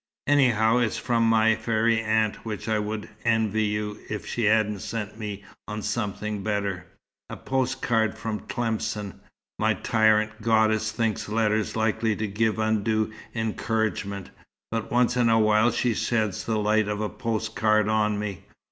Anyhow, it's from my fairy aunt, which I would envy you, if she hadn't sent me on something better a post card from Tlemcen. My tyrant goddess thinks letters likely to give undue encouragement, but once in a while she sheds the light of a post card on me.